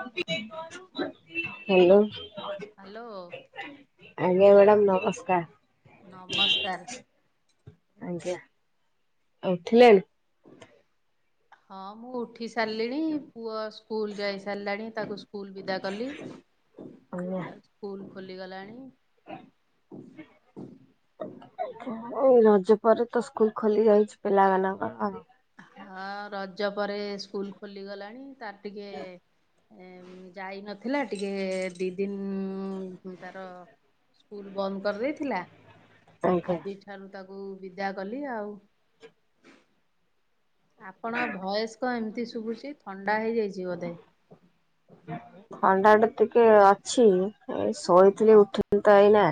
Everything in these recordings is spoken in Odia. ଆ କେ ଦେ କରୁ କରୁ ହ୍ୟା ହାଲୋ। ଆଜ୍ଞା ମ୍ୟାଡ଼ାମ ନମସ୍କାର। ନମସ୍କାର୍। ଆଜ୍ଞା ଆଉ ଉଠିଲେଣି। ହଁ ମୁଁ ଉଠି ସାରିଲିଣି ପୁଅ ସ୍କୁଲ ଯାଇ ସାରିଲାଣି ତାକୁ ସ୍କୁଲ୍ ବିଦା କଲି। ଆଜ୍ଞା ସ୍କୁଲ୍ ଖୁଲିଗଲାଣି ଏଇ ରଜ ପରେ ତ ସ୍କୁଲ ଖୋଲି ଯାଇଛି ପିଲା ମାନଙ୍କ ଆ ହଁ ରଜ ପରେ ସ୍କୁଲ ଖୋଲିଗଲାଣି। ତାର ଟିକେ ଏ ଯାଇ ନଥିଲା ଟିକେ ଦି ଦିନ ଉ ତାର ସ୍କୁଲ ବନ୍ଦ କରିଦେଇଥିଲା ଆଜ୍ଞା ଆଜିଠାରୁ ତାକୁ ହଉ ବିଦା କଲି ଆଉ ଆପଣ ଭୟସ୍କ ଏମିତି ଶୁଭୁଛି ଥଣ୍ଡା ହେଇଯାଇଛି ବୋଧେ। କେ ଅଛି ଏ ଶୋଇଥିଲି ଉଠି ଏଇନା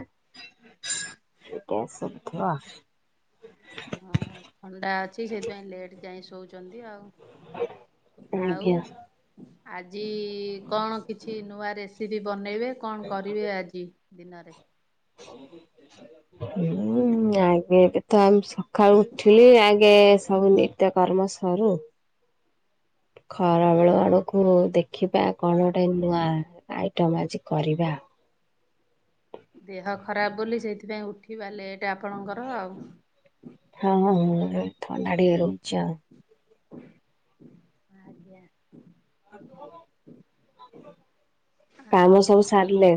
ସେଟଧ ହଁ ଥଣ୍ଡା ଅଛି ସେଥିପାଇଁ ଲେଟ ଯାଇ ଶଉଚୁ। ଛନ୍ତି ଆଉ ଆଉ। ଆଜ୍ଞା ଆଜି କଣ କିଛି ନୂଆ ରେସିପି ବନ ନେଇବେ କଣ କରିବେ ଆଜି? ଦିନରେ ହୁଁ। ହୁଁ ଆଗେ ଏବେ ତ ଆ ସକାଳୁ ଉଠିଲି ଆଗେ ସବୁ ନିତ୍ୟ କର୍ମ ସରୁ। ଖରା ବେଳୁ ଆଡକୁ ଦେଖିବା କଣ ଗୋଟେ ନୂଆ ଆଇଟମ ଆଜି କରିବା? ଦେହ ଖରାପ ବୋଲି ସେଇଥିପାଇଁ ଉଠିିବାେ ଲେ ହଁ ଥଣ୍ତା ଟିକେ ରହୁଚି ଆଉ। ଆଜ୍ଞା। କାମ ଆଉ ସବୁ ସାରିଲେ?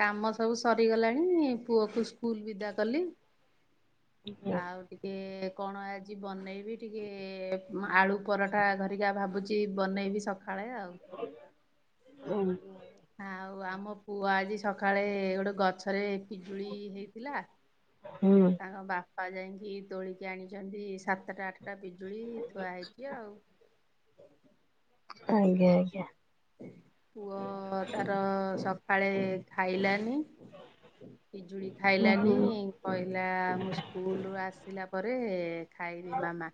କାମ ସବୁ ସରିଗଲାଣି, ପୁଅ କୁ ସ୍କୁଲ ବିଦା କଲି। ଆଉ ଟିକେ କଣ ଆଜି ବନେଇ ବି ଟିକେ ଆଳୁ ପରଠା ହରିକା ଭାବୁଚି ବନେଇବି ସକାଳେ ଆଉ। [inaudible] ଆଉ ଆମ ପୁଅ ଆଜି ସକାଳେ ଗୋଟେ ଗଛରେ ପିଜୁଳି ହେଇଥିଲା। ହୁଁ। ତାଙ୍କ ବାପା ପା ଯାଇକି ତୋଳିକି ଆଣିଛନ୍ତି ସାତଟା ଆଠ ଟା ବିଜୁଳି ଥୁଆ ହେଇଚି ଆଉ। ଆଜ୍ଞା ଆଜ୍ଞା। ପୁଅ ତାର ସ କାଳେ ଖାଇଲାନି। ପିଜୁଳି ଉଁ ଖାଇଲାନି, ହୁଁ। କହିଲା ମୁଁ ସ୍କୁଲରୁୁ ଆସିଲା ପରେ ଖାଇବି ମାମା।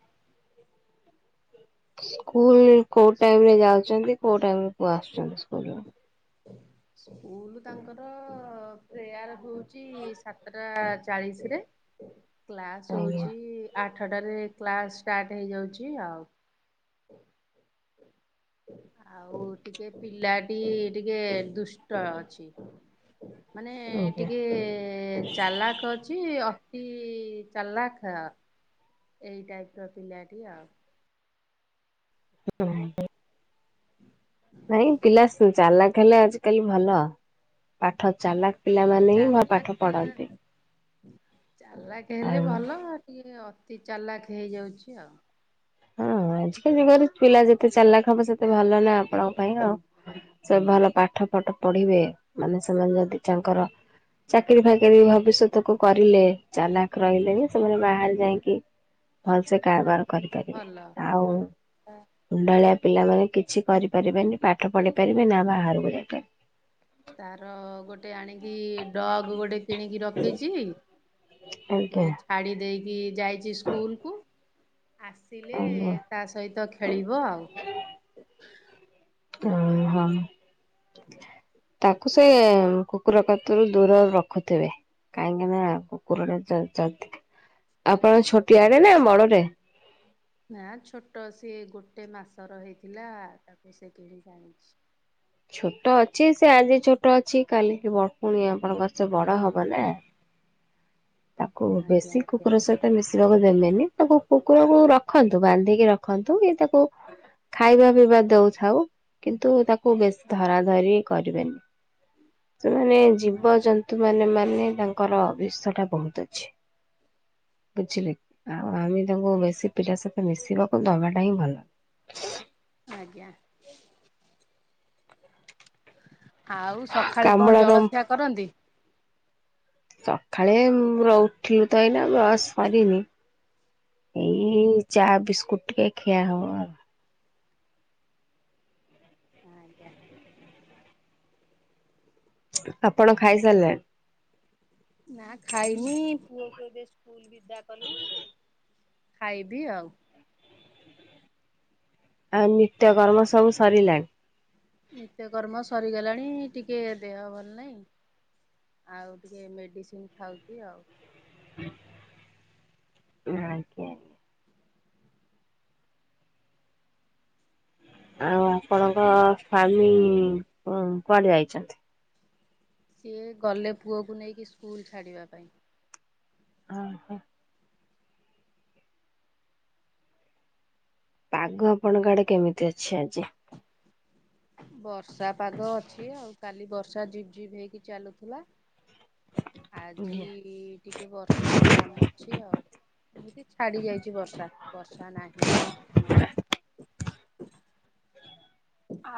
ସ୍କୁଲ କୋଉ ଟାଇମ ରେ ଯାଉଚନ୍ତି କୋଉ ଟାଇମରେ ଆସୁଚନ୍ତି ସ୍କୁଲରୁ? ସ୍କୁଲ ତାଙ୍କର ପ୍ରେୟାର ହଉ ଉଛି ସାତଟା ଚାଳିଶ ରେ କ୍ଲାସ ଆଜ୍ଞା ହଉଚି ଆଠ ଆଠଟାରେ କ୍ଲାସ ଷ୍ଟାର୍ଟ ହେଇଯାଉଚି ଆଉ। ଆଉ ଟିକେ ପିଲାଟି ଟିକେ ଦୁ ଷ୍ଟ ଅଛି। ମାନେ ଆଜ୍ଞା। ଟିକେ ଚାଲାକ ଅଛି। କି ଚାଲାକ ଏଇ ଟାଇପ ର ପିଲାଟି ଆଉ। ହଁ। [inaudible] ନାଇଁ ପିଲା ଚାଲାକ ହେଲେ ଆଜିକାଲି ଭଲ। ପାଠ ଚାଲାକ ହଁ ପିଲାମାନେ ହିଁ ବା ଚାଲାକ ପାଠ ପଢନ୍ତି। ଚାଲାକ ହେଲେ ଆଉ ଭଲ ଟିକେ ଅତି ଚାଲାକ ହେଇଯାଉଚି ଆଉ। ହଁ ଆଜିକା ଯୁଗରେ ପିଲା ଯେତେ ଚାଲାକ ହବ ସେତେ ଭଲ ନା ଆପଣଙ୍କ ପାଇଁ ଆଉ ସେ ଭଲ ପାଠ ଫାଠ ପଢିବେ ମାନେ ସେମାନେ ଯଦି ତାଙ୍କର ଚାକିରି ଫାକିରି ଭବିଷ୍ୟତକୁୁ କରିଲେ ଚାଲାକ ରହିଲେ ବି ସେମାନେ ବାହାରେ ଯାଇକି ଭଲ ସେ କାରବାର କର କରିବେ ଭଲ ଆଉ ପିଲାମାନେ କିଛି କରିପାରିବେନି ପାଠ ପଢି ପାରିବେ ନା ବାହାରକୁ ଯାଇପାରି ଵେ। ତାର ଗୋଟେ ଆଣିକି ଡଗ୍ ଗୋଟେ କିଣିକି ରଖିଛି ତାକୁ ଆଜ୍ଞା। ଏଇ ଛାଡି ଦେଇ କି ଯାଇଛି ସ୍କୁଲ କୁ ଆସିଲେ ଆଜ୍ଞା ତା ସହିତ ଖେଳିବ ଆଉ। [inaudible] ହ ହଁ। [unintelligible] ତାକୁ ସେ କୁକୁର ପ୍ରତି ବି ଦୂରରେ ରଖୁଥିବେ କାହିଁକି ନା କୁକୁରଟା ଯଦି ଆପଣ ଛୋଟିଆଟେ ନା ବଡଟରେ? ନା ଛୋଟ ସିଏ ଗୋଟେ ମାସ ର ହେଇଥିଲା ତାକୁ ସେ କିଣି ଜାଣିଛି। ଛୋଟ ଅଛି ସେ ଆଜି ଛୋଟ ଅଛି କାଲିିକି ବଡ ପୁଣି ଆପଣଙ୍କ ସେ ବଡ ହବ ନା। ତାକୁ ଆଜ୍ଞା ବେଶୀ କୁକୁର ସହିତ ମିଶି ଦେବେନି ତ କୁକୁରକୁ ରଖନ୍ତୁ ବାନ୍ଧିକି ରଖନ୍ତୁ କି ତାକୁ ଖାଇବା ପିଇବା ଦଉଥାଉ। କିନ୍ତୁ ତାକୁ ବେସି ଧରା ଧରି କରିବେନି ତାମାନେ ଆଜ୍ଞା ଆଜ୍ଞା ଜୀବଜନ୍ତୁ ମାନେ ମାନେ ତାଙ୍କର ବିସଟା ବହୁତ ଅଛି ବୁଝିଲେ ଆଉ ଆମେ ତାଙ୍କୁ ବେଶୀ ପିଲା ସହିତ ମିଶିବାକୁ ଦବାଟା ହିଁ ଭଲ ଆଞ। ଆଉ ସଖାଳେ କଣ କାମୁଡା କାମ ଜଳକ୍ଷା କରନ୍ତି। ସକାଳେ ର ଉଠିଲୁ ତ ଏଇନା ବ୍ରସ ସରିନି ଏଇ ଚା ବିସ୍କୁଟ ଟିକେ ଖିଆ ହବ ଆଉ। ଆଜ୍ଞା। ଆପଣ ଖାଇ ସାରିଲେ। ନା ଖାଇନି ପୁଅକୁ ଏବେ ସ୍କୁଲ ବିଦା କଲି ଖାଇବି ଆଉ। ଆ ନିତ୍ୟ କର୍ମ ସବୁ ସାରିଲାଣି ନିତ୍ୟକର୍ମ ସରିଗଲାଣି ଟିକେ ଦେହ ଭଲ ନହିଁ ଆଉ ଟିକେ ମେଡ଼ିସିନ୍ ଖାଉଛି ଆଉ। ଆଜ୍ଞା ଆଜ୍ଞା। ଆଉ ଆପଣଙ୍କ ସ୍ଵାମୀ କନ କୁଆଡେ ଯାଇଛନ୍ତି। ସିଏ ଗଲେ ପୁଅକୁ ନେଇକି ସ୍କୁଲ ଛାଡ଼ିବା ପାଇଁ ଓ ହୋ। ପାଗ ଆପଣଙ୍କ ଆଡେ କେମିତି ଅଛି ଆଜି। ବର୍ଷା ପାଗ ଅଛି ଆଉ କାଲି ବର୍ଷା ଝିପ୍ ଝିପ୍ ହେଇକି ଚାଲୁଥିଲା। ଆଜି ଟିକେ ବର୍ଷା କମ ଅଛି ଆଉ। ଏମତି ଛାଡି ଯାଇଛି ବର୍ଷା ବର୍ଷା ନାହିଁ।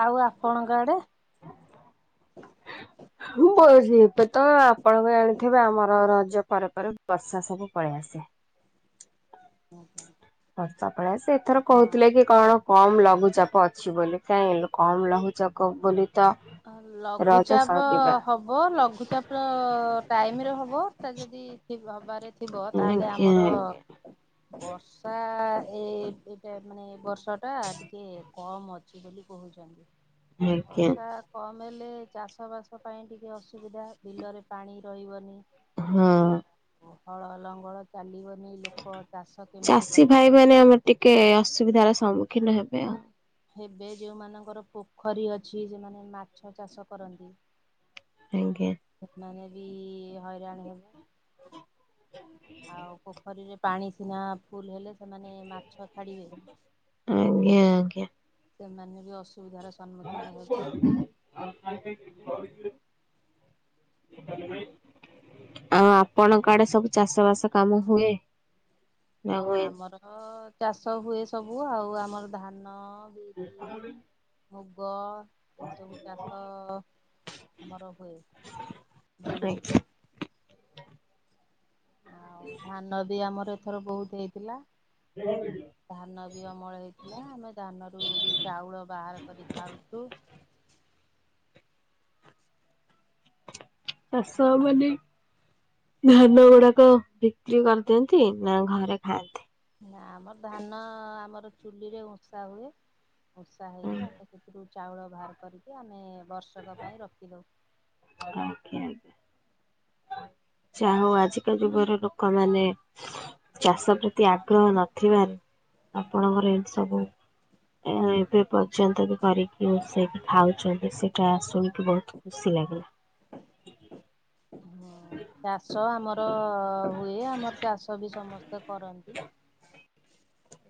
ଆଉ ଆପଣଙ୍କ ଆଡେ [unintelligible] ଏବେ ତ ଆପଣଙ୍କ ଜାଣିଥିବେ ଆମର ରଜ ପରେ ପରେ ବର୍ଷା ସବୁ ପଳେଇ ଆସେ। ଆଞା। ବର୍ଷା ପଳସେ ଏଥର କହୁଥିଲେ କି କଣ। କମ ଲଘୁଚାପ ଅଛି ବୋଲି କାଇହିଁ କମ ଲଘୁଚାପ ବୋଲି। ତ ରଜ ଲଘୁଚାପ ସରିବା। ହବ ଲଘୁଚାପ ଟାଇମରେ ହବ। ଯଦି ହବାରେ। ଥିବ ତାହେଲେ ଆଜ୍ଞା ଆଜ୍ଞା ଆମର ବର୍ଷା। ଏଇ ଏଇଟା ମାନେ ଏ ବର୍ଷ ଟା ଟିକେ କମ ଅଛି ବୋଲି କହୁଛନ୍ତି। ଆଜ୍ଞା। କମେଲେ ଚାଷବାସ ପାଇଁ ଟିକିେ ଅସୁବିଧା ବିଲରେ ପାଣି ରହିବନି। ହଁ। ହଳ ଲଙ୍ଗଳ ଚାଲିବ। ଚାଷୀ ଭାଇ ମାନେ ଆମେ ଟିକେ ଅସୁବିଧାର ସମୁ। କି ନ ହେବେ ଆଉ। ହେବେ ଯୋଉମାନଙ୍କର ପୋଖରୀ ଅଛି ସେମାନେ ମାଛ ଚାଷ କରନ୍ତି। ଆଜ୍ଞା। ସେମାନେ ବି ହଇରାଣ ହେବେ। ଆଉ ପୋଖରୀରେ। ପାଣି ସିନା ଫୁଲ ହେଲେ ସେମାନେ ମାଛ। ଛାଡ଼ିବେ। ଆଜ୍ଞା ଆଜ୍ଞା। ସେମାନେ ବି ଅସୁ [unintelligible] ଆଉ ଆପଣଙ୍କ ଆଡେ ସବୁ ଚାଷ ବାସ କାମ ହୁଏ। ନା ହୁଏନି? ଆମର ଚାଷ ହୁଏ ସବୁ। ହବୁ ଆଉ ଆମର ଧାନ ବିରି [unintelligible] ମୁଗ। ଏସବୁ ଚାଷ ଆମର ହୁଏ ଜମିରୁ। ଆଜ୍ଞା। ଆଉ ଧାନ ବି ଆମର। ଏଥର ବହୁତ ହେଇଥିଲା। ଧାନ ବି ଅମଳ ହେଇଥିଲା ଆମେ ଧାନରୁ ବି ଚାଉଳ ବାହାର କରି ଖାଉଛୁ। ଚାଷ ମାନେ ଧାନ ଗୁଡାକ ବିକ୍ରି କରିଦିଅନ୍ତି ନା ଘରେ ଖାଆନ୍ତି। ନା ଆମର ଧାନ ଆମର ଚୁଲିରେ ବଷା ହୁଏ ବଷା ହେଇକି ଆମେ ସେଥିରୁ ଚାଉଳ ବାହାର କରିକି ଆମେ ବର୍ଷକ ପାଇଁ ରଖିଦଉ। ଆଜ୍ଞା ଆଜ୍ଞା। ଯ ହଉ ଆଜିକା ଯୁଗର ଲୋକମାନୋନ ଚାଷ ପ୍ରତି ଆଗ୍ରହ ନଥିବାରୁ ଆପଣଙ୍କର ଏହି ସବୁ ଏବେ ପର୍ଯ୍ୟନ୍ତ କରିକି ରୋଷେଇକି ଖାଉଛନ୍ତି ସେଇଟା ଶୁଣିକି ବହୁତ ଖୁସି ଲାଗିଲା। ଚାଷ ଆମର ହୁଏ ଆମର ଚାଷ ବି ସମସ୍ତ କରନ୍ତି।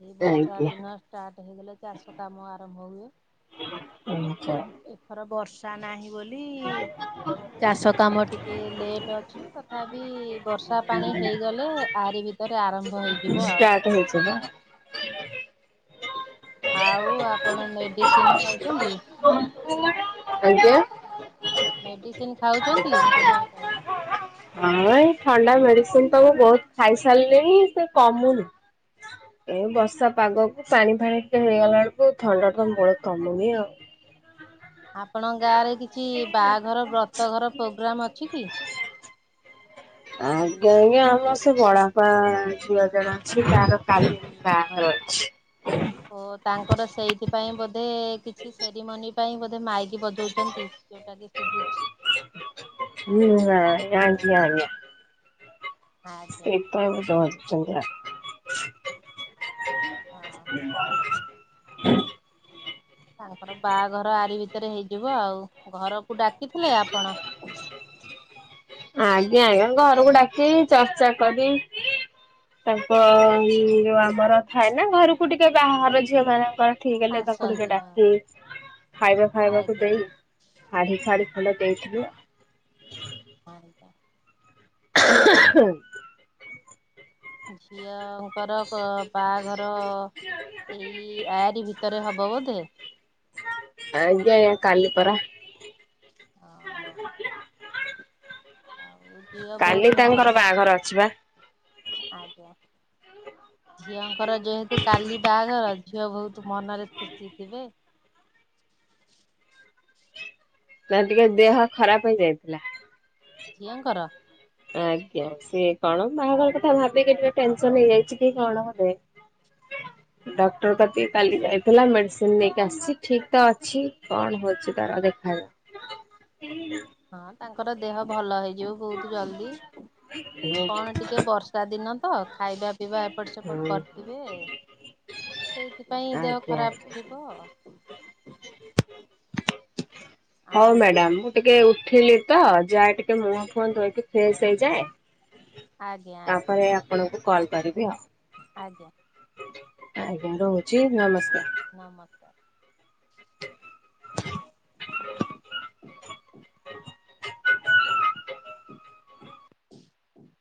ଏଇ ବର୍ଷା ଆଜ୍ଞା ଦିନ ଷ୍ଟାର୍ଟ ହେଇଗଲେ ଚାଷ କାମ ଆରମ୍ଭ ହୁଏ ଆଛା ଏଥର ବର୍ଷ ତା ନାଁ ବୋଲି ଚାଷ କାମ ଟି। [unintelligible] ଅଛି ତଥାବିଇ ବର୍ଷା ପାଣି ହେଇଗଲେ ଆରି ଭି ତରେ ଆରମ୍ ଷ୍ଟାର୍ଟ ହେଇଚେ ପା ଆଉ ଆ ପଣ ମେଡିସିନ ଖାଉଛନ୍ତି? [inaudible] ମେଡିସିନ ଖାଉଛନ୍ତି ଥଣ୍ଡା ପାଇଁ? ହଁ ଏଇ ଥଣ୍ଡା ମେଡିସିନ ତ ମୁଁ ବହୁତ ଖାଇ ସାରିଲିଣି ସେ କମୁନି ଏ ବର୍ଷା ପାଗକୁ ପାଣି ଫାଣି ଟିକେ ହେଇଗଲା ବେଳକୁ ଥଣ୍ଡା ତ ମୂଳରୁ କମୁନି ଆଉ। ଆପଣଙ୍କ ଗାଁ ରେ କିଛି ବାହାଘର ବ୍ରତଘର ପ୍ରୋଗ୍ରାମ ଅଛି କି? ଆଜ୍ଞା ଆଜ୍ଞା ଆମର ସେ ବଡପ ଝିଅ ଜଣ ଅଛି ତାର କାଲି ବାଘର ଅଛି। ଓ ତାଙ୍କର ସେଇଥିପାଇ ବୋଧେ କିଛି ସେରିମନି ପାଇଁ ବୋଧେ ମାଇକି ବଜଉଛନ୍ତି ଯୋଉଟା କି ସୁବୁଛି। ହୁଁ ନା। [unintelligible] ଆଜ୍ଞା ଏଇ ତ ଏବେ ଜା ଚନ୍ଦ୍ରା [inaudible] ହଁ [inaudible] ତାଙ୍କର ବାହାଅର ଆରି ଭିତରେ ହେଇଯିବ ଆଉ ଘରକୁ ଡାକିଥିଲେ ଆପଣ। [inaudible] ଆଜ୍ଞା ଆଜ୍ଞା ଘରକୁ ଡାକି ଚର୍ଚ୍ଚା କରି ତାଙ୍କ ଯୋଉ ଆମର ଥାଏ ନା ଘରକୁ ଟିକେ ବାହାର ଝିଅ ମାନଙ୍କର ଠିକ୍ ହେଲେ ତାକୁ ଟିକେ ଆସନ୍ତି ହଁ ଡାକି ଖାଇବା ଖାଇବାକୁ ଆଜ୍ଞା ଦେଇ ଶାଢୀ ଫାଢୀ ଭଲ ଦେଇଥିବେ ଆଜ୍ଞା। [inaudible] ଆଚ୍ଛା। ଝିଅ ଅଙ୍କର ବାହାଘର ଏଇ ୟାରି ଭିତରେ ହବ ବୋଧେ? ଆଜ୍ଞା ଆଜ୍ଞା କାଲି ପରା। ହଁ [inaudible] ଆଉ ଝିଅ ବହୁତ କାଲି ତାଙ୍କର ମନ ବାହାଘର ଅଛି ବା। ଆଜ୍ଞା। ଝିଅଙ୍କର ଯେହେତୁ କାଲି ବାହାଘର ଅ ଝିଅ ବହୁତ୍ ମନରେ ଖୁସି ଥିବେ। [inaudible] ନା ଟିକେ ଦେହ ଖରାପ ହେଇଯାଇଥିଲା। ଝିଅଙ୍କର ଆଜ୍ଞା ସିଏ କଣ ବାହାଘର କଥା ଭାବିକି ଟିକେ ଟେନସନ୍ ହେଇଯାଇଛି କି କଣ ବଧେ [inaudible] ଡକ୍ଟର କତିକି କାଲି ଯାଇଥିଲା ମେଡିସିନ ନେଇକି ଆସିଛି ଠିକ ତ ଅଛି କଣ ହଉଛି ତାର ଦେଖାଯାଉ। [inaudible] ହଁ। ତାଙ୍କର ଦେହ ଭଲ ହେଇଯିବ ବହୁତ୍ ଜଲ୍ଦି କଣ ଟିକେ ବର୍ଷା ଦିନ ତ ଖାଇବା ପିଇବା ଏପଟ ସେପଟ ହୁଁ କରିଥିବେ ସେଇଥିପାଇଁ ଦେହ ଆଜ୍ଞା ଖରାପ ଆଜ୍ଞା। ଥିବ ଅ। [unintelligible] ହଉ ମ୍ୟାଡ଼ାମ୍ ମୁଁ ଟିକେ ଥିଲି ତ ଯାଏ କେ ମୁହଁ ଫୁହଁ ଧୋଇକି ଫ୍ରେସ୍ ହେଇଯାଏ ଆଜ୍ଞା ଆଜ୍ଞା ତାପରେ କଲ୍ କରିବି ଆଉ। ଆଜ୍ଞା। ଚି ନମସ୍କାର। ନମସ୍କାର। [inaudible] [inaudible] [inaudible]